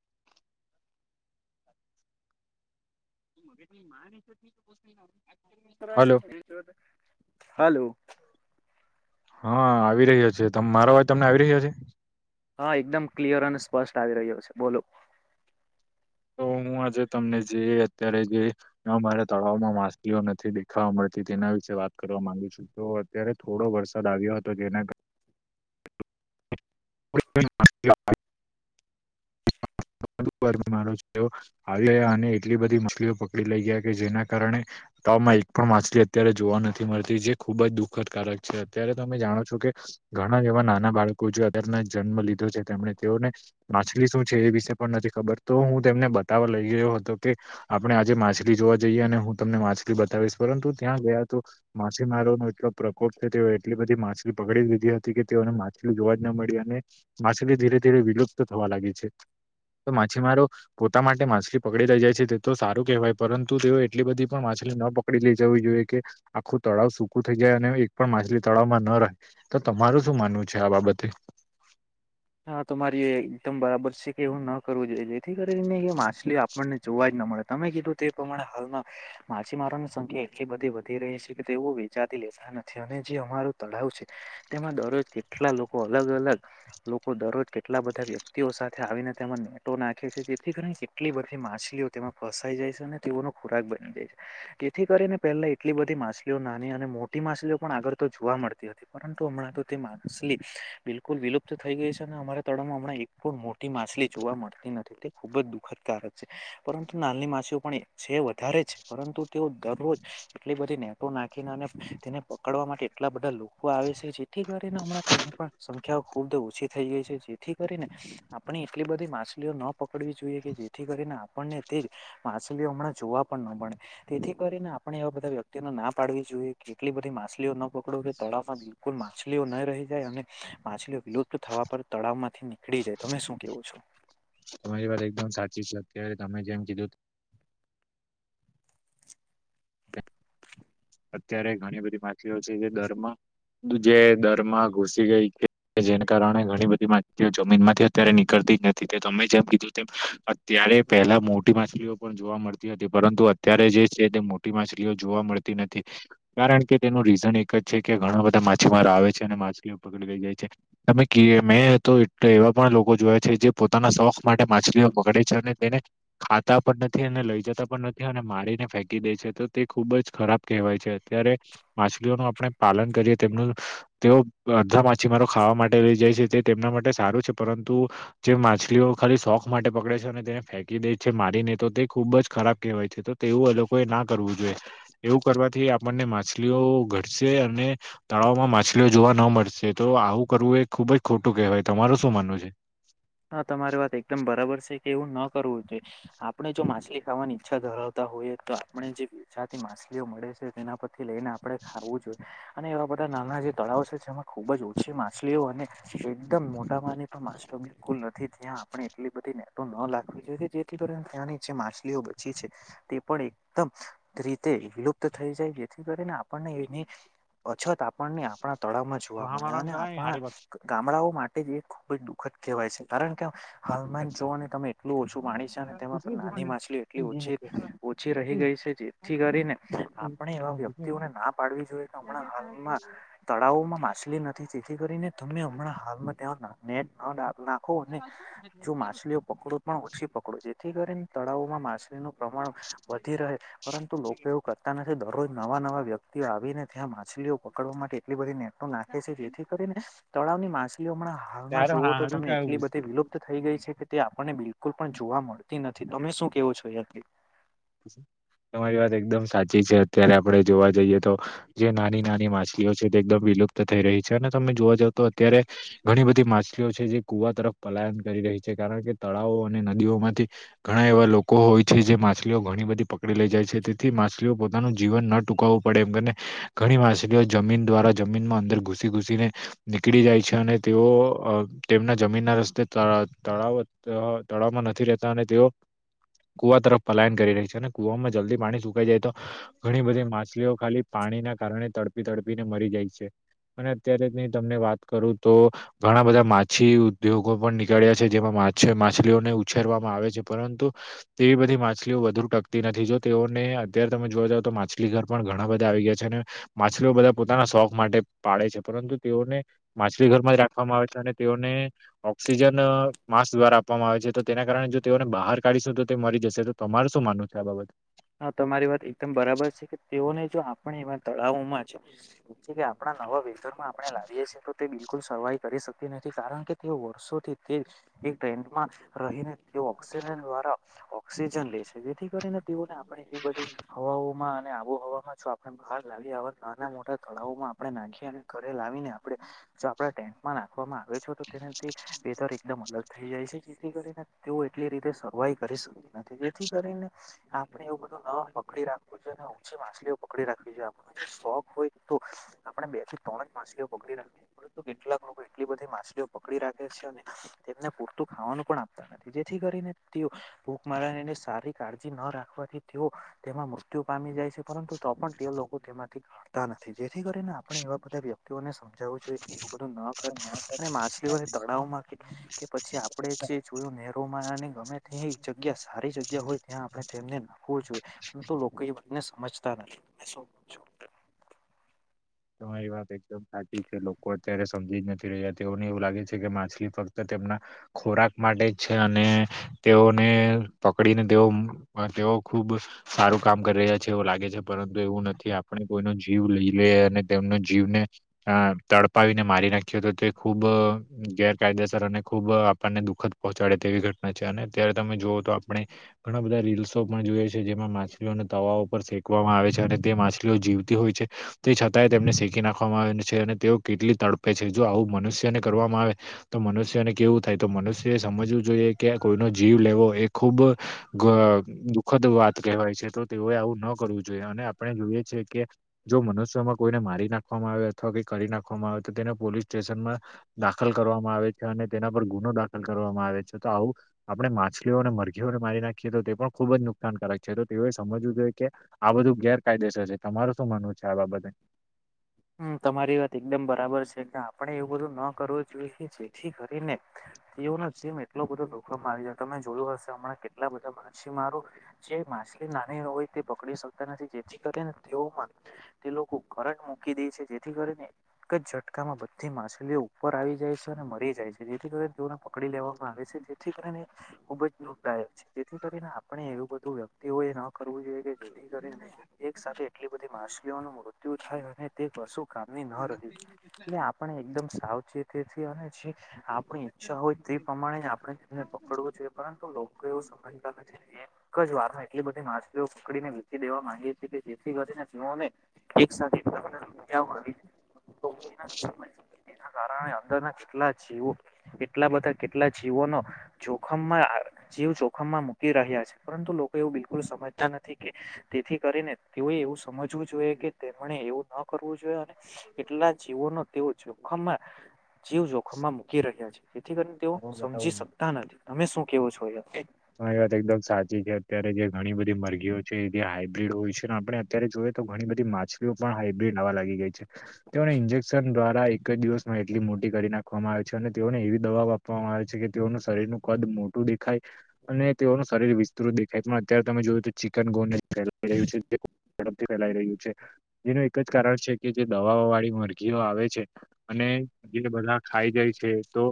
[inaudible] [unintelligible] Hello hello. હા આવી રહ્યો છે, મારો વાજ તમને આવી રહ્યો છે. હા એકદમ ક્લિયર અને સ્પષ્ટ આવી રહ્યો છે, બોલો. તો. હું આજે તમને જે અત્યારે જે અમારા તળાવમાં માછલીઓ નથી દેખાવા મળતી તેના વિશે. વાત કરવા માંગીશું તો અત્યારે થોડો વરસાદ આવ્યો હતો જેના. [inaudible] [inaudible] આવી ગયા અને એટલી બધી મછલીઓ પકડી લઈ ગયા કે જેના કારણે. તાવમાં એક પણ માછલી અત્યારે જોવા નથી મળતી જે ખુબ જ દુઃખદકારક છે, અત્યારે તમે જાણો છો કે. ઘણા એવા નાના બાળકો જો. જન્મ લીધો છે, તેમ તેઓને માછલી શું છે, એ વિશે પણ નથી ખબર તો હું તેમને બતાવ. ગયો હતો કે આપણે આજે માછલી જોવા જઈએ અને હું તમને માછલી બતાવીશ પરંતુ ત્યાં ગયા તો. માછીમારો નો એટલો પ્રકોપ છે, તેઓ એટલી બધી માછલી પકડી દીધી હતી કે તેઓને માછલી જોવા. ન મળી અને માછલી ધીરે ધીરે વિલુપ્ત થવા લાગી છે. તો માછીમારો પોતા માટે માછલી પકડી રઈ જાય છે, તે તો સારું કહેવાય પરંતુ તેઓ એટલી બધી પણ માછલી. માછલી ન પકડી લે જવી જોઈએ કે આખું તળાવ સૂકું થઈ જાય અને એક પણ માછલી તળાવ માં ન રહે. તમારું શું માનવું છે, આ બાબતે. હા તમારે એકદમ બરાબર છે, કે એવું ન કરવું જોઈએ જેથી કરીને માછલી આપણને જોવા જ. મળે તમે કીધું તે પ્રમાણે હાલમાં માછીમારોની સંખ્યા એટલી બધી વધી રહી છે, કે તેઓ વેચાતી. લેતા નથી અને જે અમારું તળાવ છે, તેમાં દરરોજ કેટલા લોકો અલગ અલગ. લોકો દરરોજ કેટલા બધા વ્યક્તિઓ સાથે આવીને તેમાં નેટો નાખે છે, જેથી કરીને કેટલી બધી માછલીઓ. માં ફસાઈ જાય છે, અને તેઓનો ખોરાક બની જાય છે, તેથી કરીને પહેલા એટલી બધી માછલીઓ નાની અને. મોટી માછલીઓ પણ આગળ તો જોવા મળતી હતી પરંતુ હમણાં તો તે માછલી બિલકુલ વિલુપ્ત. થઈ ગઈ છે, અને અમારા તળમાં હમણા એક પણ મોટી માછલી જોવા મળતી નથી તે ખુબ જ દુઃખદકારક છે. પરંતુ નાલની માછીઓ પણ છે, વધારે છે પરંતુ તેઓ દરરોજ એટલી બધી નેટો નાખી. તેને પકડવા માટે એટલા બધા લોકો આવે છે, જેથી કરીને હમણાં તેની પણ સંખ્યા ખૂબ ઓછી થઈ ગઈ છે જેથી કરીને આપણે એટલી બધી માછલીઓ ન પકડવી જોઈએ કે જેથી કરીને. આપણને માછલી હમણાં જોવા પણ ન મળે તેથી કરીને આપણે એવા બધા વ્યક્તિ ના પાડ જો કેટલી બધી માછલીઓ ન પકડ તળાવમાં બિલકુલ માછલીઓ ન રહી જાય અને માછલીઓ. લુપ્ત થવા પર તળાવ માંથી નીકળી જાય તમે શું કેવું છો. તમારી વાત એકદમ સાચી છે અત્યારે તમે જેમ કીધું. અત્યારે ઘણી બધી માછલીઓ છે જે દરમાં જે દરમાં ઘૂસી ગઈ કે કે જેને કારણે ઘણી બધી માહિતઓ જમીન માંથી અત્યારે નીકળતી જ નથી તે તમે જેમ કીધું તેમ ત્યારે પેલા મોટી માછલીઓ પણ જોવા મળતી હતી પરંતુ અત્યારે જે છે તે મોટી માછલીઓ જોવા મળતી નથી કારણ કે તેનું રીઝન એક જ છે કે ઘણા બધા માછીમારો આવે છે અને માછલીઓ પગડી લઈ જાય છે તમે મેં તો એવા પણ લોકો જોયા છે જે પોતાના શોખ માટે માછલીઓ પકડે છે તેને ખાતા પણ નથી અને લઈ જતા પણ નથી અને મારીને ફેંકી દે છે તો તે ખુબ જ ખરાબ કહેવાય છે અત્યારે માછલીઓનું આપણે પાલન કરીએ તેમનું તેઓ અડધા મા જ પછી મારો ખાવા માટે લઈ જાય છે તે તેમના માટે સારું છે પરંતુ જે માછલીઓ ખાલી શોખ માટે પકડે છે અને તેને ફેંકી દે છે મારીને તો તે ખૂબ જ ખરાબ કહેવાય છે તો તેવું એ લોકો એ ના કરવું જોઈએ. એવું કરવાથી આપણને માછલીઓ ઘટશે અને તળાવમાં માછલીઓ જોવા ન મળશે તો આવું કરવું એ ખુબ જ ખોટું કહેવાય તમારુ શું માનવું છે. હા તમારી વાત એકદમ બરાબર છે એવું ન કરવું જોઈએ આપણેે જો માછલી ખાવાની ઈચ્છા ધરાવતા હોઈએ તો આપણે જે વેચાતી માછલી માછલી મળે છે તેના પરથી લઈને આપણે ખાવું જોઈએ અને એવા બધા નાના જે તળાવ છે એમાં ખુબ જ ઓછી માછલીઓ અને એકદમ મોટા પાની પણ માછલીઓ પણ બિલકુલ નથી ત્યાં આપણે એટલી બધી નેટો ના નાખવી જોઈએ કે જેથી કરીને ત્યાંની જે માછલીઓ બચી છે તે પણ એકદમ રીતે વિલુપ્ત થઈ જાય જેથી કરીને આપણને એની અછત આપણને આપણા તળાવમાં જોવા મળે અને આપણા ગામડાઓ માટે જ એ ખુબ જ દુઃખદ કહેવાય છે કારણ કે હવામાન જોઓને તમે એટલું ઓછું માણીશ તેમાં નાની માછલી એટલી ઓછી ઓછી રહી ગઈ છે જેથી કરીને આપણે એવા વ્યક્તિઓને ના પાડવી જોઈએ કે હમણાં હાલમાં તળાવોમાં માછલી નથી જેથી કરીને તને હમણાં હાલમાં ને નાખો અને જો માછલીઓ પકડો પણ ઓછી પકડો જેથી કરીને તળાવમાં માછલીનું પ્રમાણ પણ વધી રહે પરંતુ લોકો એવું કરતા નથી દરરોજ નવા નવા વ્યક્તિઓ આવીને ત્યાં માછલીઓ પકડવા માટે એટલી બધી નેટો નાખે છે જેથી કરીને તળાવની માછલીઓ હમણા હાલમાં જુઓ તો તમે એટલી બધી વિલુપ્ત થઈ ગઈ તે છે આપણને બિલકુલ પણ જોવા મળતી નથી તમે શું કેવો છો [inaudible] તમારી વાત એકદમ સાચી છે અત્યારે આપડણે જોવા જઈએ તો જે નાની નાની માછલીઓ છે તે એકદમ લુપ્ત થઈ રહી છે અને તમે જોવા જાવ તો અત્યારે ઘણી બધી માછલીઓ છે જે કુવા તરફ પલાયન કરી રહી છે કારણ કે તળાવો અને નદીઓમાંથી ઘણા એવા લોકો હોય છે જે માછલી ઘણી બધી પકડી લઈ જાય છે તેથી માછલીઓ પોતાનું જીવન ન ટૂકાવવું પડે એમને ઘણી માછલીઓ જમીન દ્વારા જમીનમાં અંદર ઘૂસી ઘૂસીને નીકળી જાય છે અને તેઓ તેમના જમીન ના રસ્તે તળાવ તળાવમાં નથી રહેતા અને તેઓ કુવા તરફ પલાયન કરી રહી છે અને કુવામાં જલ્દી પાણી સુકાઈ જાય તો ઘણી બધી માછલીઓ ખાલી પાણીના કારણે તળ તડપી તડપી ને મરી જાય છે. અને અત્યારેની તમને વાત કરું તો ઘણા બધા માછી ઉદ્યોગો પણ નીકળ્યા છે જેમાં માં માછ માછલીઓને ઉછેરવામાં આવે છે પરંતુ તેવી બધી માછ માછલીઓ વધુ ટકતી નથી જો તેઓને અત્યારે તમે અત્યાર જોવા જાવ તો માછલી ઘર પણ ઘણા બધા આવી ગયા છે અને માછલીઓ બધા પોતાના શોખ માટે પાળે છે પરંતુ તેઓને માછલી ઘરમાં જ રાખવામાં આવે છે અને તેઓને ઓક્સિજન માસ દ્વારા આપવામાં આવે છે તો તેના કારણે જો તેઓને બહાર કાઢીશું તો તે મરી જશે તો તમારે શું માનવું છે આ બાબત હા તમારી વાત એકદમ બરાબર છે કે તેઓને જો આપણે એવા તળાવોમાં છે છે કે આપણા નવા વિ સ્તારમાં આપણે લાવીએ છીએ તો તે બિલકુલ સર્વાઈ કરી શકતી નથી કારણ કે તે વર્ષોથી તે ટ્રેડમાં રહીને તે ઓક્સિજન દ્વારા ઓક્સિજન લે છે જેથી કરીને તેઓને આબોહમાં છ આપણે બહાર લાવીવા નાના મોટા તળાવોમાં આપણે નાખી અને ઘરે લાવીને આપણે જો આપડા ટેન્ટમાં નાખવામાં આવે તો તેનાથી વેધર એકદમ અલગ થઈ જાય છે જેથી કરીને તેઓ એટલી રીતે સર્વાઈ કરી શકતી નથી જેથી કરીને એવું બધું ન પકડી રાખવું જોઈએ અને ઊચી માછલીઓ પકડી રાખવી જોઈએ આપ શોખ હોય તો આપણે બે થી ત્રણ જ માછલીઓ પકડી રાખી પરંતુ કેટલાક લોકો એટલી બધી માછલીઓ પકડી રાખે છે અને પૂરતું ખાવાનું પણ આપતા નથી જેથી કરીને તેઓ ભૂખ મારાને સારી કાળજી ન રાખ થી તેઓ તેમાં મૃત્યુ પામી જાય છે પરંતુ તો પણ તેઓ લોકો તેમાંથી ઘતા નથી જેથી કરીને આપણે એવા બધા વ્યક્તિઓને સમજાવવું જોઈએ કેું ન કર અને માછલીઓને તળાવમાં કે પછી આપણે જે જોયું નેરોમાં ગમે ત્યા એક જગ્યા સારી જગ્યા હોય ત્યાં આપણે તેમને નખવું જોઈએ પણ તો લોકો એને સમજતા નથી તમારી વાત એકદમ સાચી છે લોકો અત્યારે સમજી જ નથી રહ્યા તેઓને એવું લાગે છે કે માછલી ફક્ત ખોરાક માટે છે અને તેઓને પકડીને તેઓ તેઓ ખુબ સારું કામ કરી રહ્યા છે એવું લાગે છે પરંતુ એવું નથી આપણે કોઈ ન જીવ લઈ લે અને તેમનો જીવને અ તડપાવીને મારી નાખ્યો હતો તે ખુબ ગેરકાયદેસર અને ખુબ આપણને દુઃખદ પહોંચાડે તેવી ઘટના છે અને અત્યારે તમે જોુઓ તો આપણે ઘણા બધા રીલ્સો પણ જેમાં માછલીઓને તવા પર ફેકવામાં આવે છે અને તે માછલીઓ જીવતી હોય છે તે છતાં તેય તેમને શીખી નાખવામાં આવેલ છે અને તેઓ કેટલી તડપે છે જો આવું મનુષ્યને કરવામાં આવે તો મનુષ યને કેવું થાય તો મનુષ્ય સમજવું જોઈએ કે કોઈનો જીવ લેવો એ ખુબ ગ દુઃખદ વાત કહેવાય છે તો તેઓએ આવું ન કરવું જોઈએ અને આપણે જોઈએ છે કે જો મનુષ્યમાં કોઈને મારી નાખવામાં આવે અથવા કોઈ કરી નાખવામાં આવે તો તેને પોલીસ સ્ટેશનમાં દાખલ કરવામાં આવે છે અન ને તેના પર ગુનો દાખલ કરવામાં આવે છે તો આવું આપણે માછલીઓ અને મરઘીઓને મારી નાખીએ તો તે પણ ખુબ નુકસાનકારક છે તો તેઓ સમજવું જોઈએ કે આ બધું ગેરકાયદેસર છે તમારુ શું માનવું છે આ બાબતે? હમ તમારી વાત એકદમ બરાબર છે આપણે એવું બધું ન કરવું જોઈએ કે જેથી કરીને તેવું જેમ એટલો બધો દુખોમા આયવો તમે જોયું હશે હમણાં કેટલા બધા માછી મારો જે માછલી નાની હોય તે પકડી શકતા નથી જેથી કરીને તેઓમાં તે લોકો કરંટ મુ કી દેય છે જેથી કરીને એક જ ઝટકામાં બધી માછલીઓ ઉપર આવી જાય છે અને મરી જાય છે જેથી કરી ને પકડી લેવામાં આવે છે જેથી કરીને ખુબ જ દુખદાયક છે જેથી કરીને આપણે એવું બધું વ્યક્તિઓ એ ન કરવું જોઈએ કે જેરી કરી એક સાથે એટલી બધી માછલીઓનું મૃત્યુ થાય અને કરશું કામની ન રહ્યું એટલે આપણે એકદમ સાવચેતી અને જે આપણી ઈા હોય તે પ્રમાણે આપણે તેમને પકડવું જોઈએ પરંતુ લોકો એવું સમભી ગ છે વાર માં એટલી બધી માછલીઓ પકડીને વેચસી દેવા માંગી હતી કે જેથી કરીને પીઓોને એક સાથે એના કારણે અંદરના કેટલા જેવો કેટલા બધા કેટલા જીવોનો જોખમમાં જીવ જોખમમાં મૂકી રહ્યા છે પરંતુ લોકો એવ બિલકુલ સમજતા નથી કે તેથી કરીને તેઓએ એવું સમજવું જોઈએ કે તેમણે એવું ન કરવું જોઈએ અને એટલા જીવોનો તેઓ જોખમમાં જીવ જોખમમાં મૂકી રહ્યા છે જેથી કરીને તેઓ હું બતાવું સમજી શકતા નથી તમે શું કેવો છો? હ એ વાત એકદમ સાચી છે અત્યારે જે ઘણી બધી મરઘીઓ છે જે હાઈબ્રીડ હોય છે ને આપણે અત્યારે જો ઘણી બધી માછલીઓ પણ હાઈબી ન લાગી ગઈ છે તેને ઈન્જેકશન દ્વારા ક જ દિવસમાં એટલી મોટી કરી નાખવામાં આવે છે અને તેઓને એવી દવાઓ આપવામાં આવે છે કે તેઓનું શરીરનું કદ મોટું દેખાય અને તેઓનું શરીર વિસ્તૃત દેખાય પણ અત્યારે તમે જોયું તો ચિકન ગોને ફેલાઈ રહ્યું છે ઝડપથી ફેલાઈ રહ્યું છે જેનું એક જ કારણ છે કે જે દવાઓ વાળી મરઘીઓ આવે છે અને ગિલ બલા ખાઈ જાય છે તો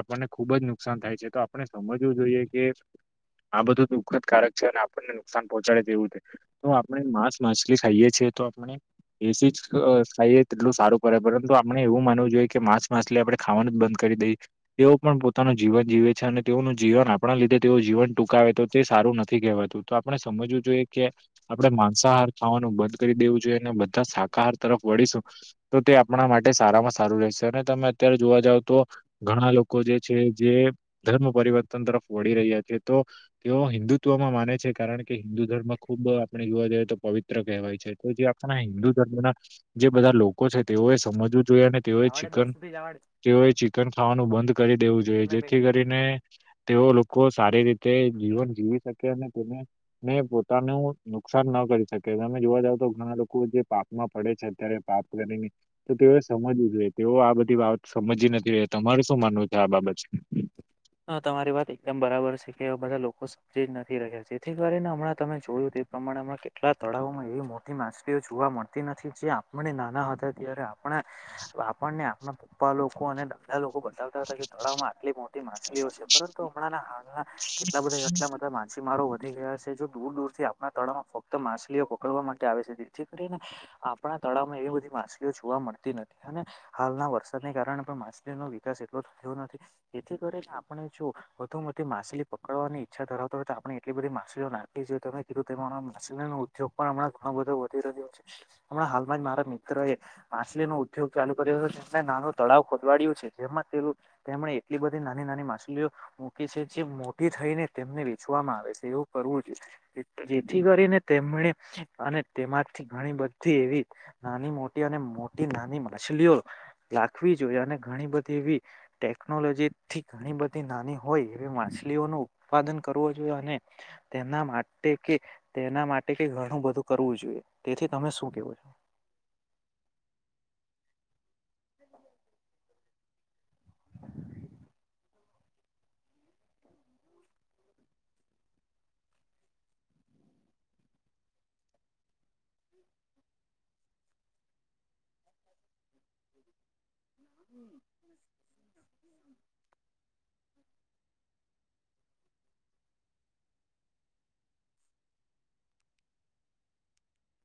આપણને ખુબ જ નુકસાન થાય છે તો આપણે સમજવું જોઈએ કે આ બધું દુઃખદકારક છે અને આપણને નુકસાન પહોંચાડે તેવું છે તો આપણે માંસ માછલી ખાઈએ છે તો આપણે એસી જ ખાઈએ તેટલું સારું પડે પરંતુ આપણે એવું માનવું જોઈએ કે માસ માછલી આપડે ખાવાનું જ બંધ કરી દઈ તેઓ પણ પોતાનું જીવન જીવે છે અને તેઓનું જીવન આપણા લીધે તેઓ જીવન ટૂંકાવે તો તે સારું નથી કે વાતું તો આપણે સમજવું જોઈએ કે આપડે માંસાહાર ખાવાનું બંધ કરી દેવું જોઈએ અને બધા શાકાહાર તરફ વળીશું તો તે આપણા માટે સારામાં સારું રહેશે અને તમે અત્યારે જોવા જાવ તો ઘણા લોકો જે છે જે ધર્મ પરિવર્તન તરફ વળી રહ્યા છે તો તેઓ હિન્દુત્વ પણ માને છે કારણ કે હિન્દુ ધર્મ ખુબ આપણે યુવા દ તો પવિત્ર કહેવાય છે તો જે આપણા હિન્દુ ધર્મ ના જે બધા લોકો છે તેઓએ સમજવું જોઈએ અને તેઓએ જવાડે ચિકન દસ સુધી જવાડે તેઓએ ચિકન ખાવાનું બંધ કરી દેવું જોઈએ એમ બે જેથી કરીને તેઓ લોકો સા રી રીતે જીવન જીવી શકેને પોતાનું નુકસાન ન કરી શકે જોવા જાવ તો ઘણા લોકો જે પાપમા પડે છે અત્યારે પાપ કરીને તો તેઓએ સમજવુ જોઈએ તેઓ આ બધ ધી વાત સમજી નથી તમારે શું માનવું છે આ બાબત એ? હ તમારી વાત એકદમ બરાબર છે કે બધા લોકો સમજી જ નથી રહ્યા જેથી કરીને હમણાં તમે જોયુ કે એ પ્રમાણેમા કેટલા તળાવોમા એવી મોટી માછલીઓ જોવા મળતી નથી જે આપને નાના હતા ત્યારે આપે પણ આપણને આપણા પપ્પા લોકો અને દાદા લોકો બતાવતા હતા કે તળાવ મા આટલી મો તી માછલીઓ છે પરંતુ હમણા હાલના કેટલા બધા એટલા બધા માછીમારો વધી ગયા છે જો દૂર દૂર થી આપણા તળાવમાં ફક્ત માછલીઓ પકડવા માટે આવે છે જેથી કરીને આપણા તળાવમાં એવી બધી માછલી જોવા મળતી નથી અને હાલના વરસાદને કારણે પણ માછલી નો વિકાસ એટલો થયો નથી જેથી કરીને આપણે જો વધુ મતી માછલી પકડવાની ઈચ્છા ધરાવતા હોય તો આપણે એટલી બધી માછલીઓ નાખી તમે કીધુ તે પ્રમાણે માછલી નો ઉદ્યોગ પણ હમણાં ઘણોબધો વધી રહ્યો છે હમણાં હાલમા જ મારા મિત્ર એ માછલી નો ઉદ્યોગ ચાલુ કર્યો હતો તેમને નાનો તળાવ ખોદવાડ્યુ છે જેમાં પેલું તેમણે એટલી બધી નાની નાની માછલીઓ મૂકી છે જે મોટી થઈને તેમને વેચવામાં આવે છે એવુ કરવુ જોઈએ. જેથી કરીને તેમણે અને તેમાંથી ઘણી બધી એવી નાની મો મોટી અને મોટી નાની માછલીઓ લાખવી જોઈ અને ઘણી બધી એવી ટેક નોલોજી થી ઘણી બધી નાની હોય એવી માછલીઓનુ ઉત્પાદન કરવું જોઈએ અને તેમ ના માટે કે તેના માટે કે ઘણું બધું કરવું જોઈએ તેથી તમે શું કેવુ છો? [inaudible] હમ